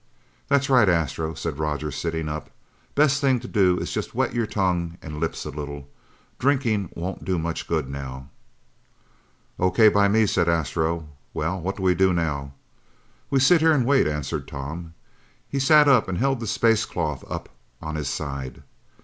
"That's right, Astro," said Roger, sitting up. "Best thing to do is just wet your tongue and lips a little. Drinking won't do much good now." "O.K. by me," said Astro. "Well, what do we do now?" "We sit here and we wait," answered Tom. He sat up and held the space cloth up on his side.